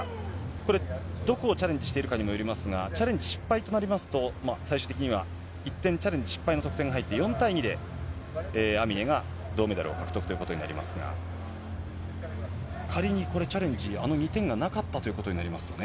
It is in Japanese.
これ、どこをチャレンジしているかにもよりますが、チャレンジ失敗となりますと、最終的には１点チャレンジ失敗の得点が入って４対２でアミネが銅メダルを獲得ということになりますが、仮にこれ、チャレンジ、あの２点がなかったということになりますとね。